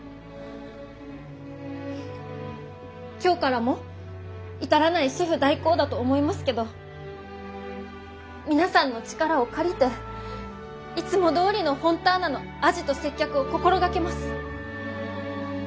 今日からも至らないシェフ代行だと思いますけど皆さんの力を借りていつもどおりのフォンターナの味と接客を心がけます。